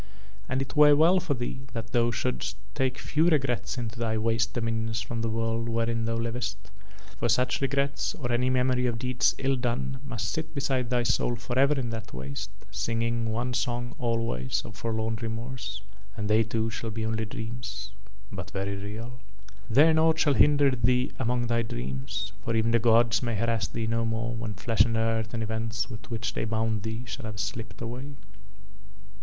And it were well for thee that thou shouldst take few regrets into thy waste dominions from the world wherein thou livest, for such regrets or any memory of deeds ill done must sit beside thy soul forever in that waste, singing one song always of forlorn remorse; and they too shall be only dreams but very real. "There nought shall hinder thee among thy dreams, for even the gods may harass thee no more when flesh and earth and events with which They bound thee shall have slipped away."